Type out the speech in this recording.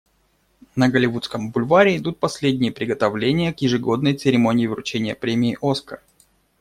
На Голливудском бульваре идут последние приготовления к ежегодной церемонии вручения премии «Оскар».